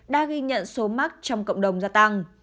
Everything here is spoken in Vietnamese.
đã ghi nhận số mắc trong cộng đồng gia tăng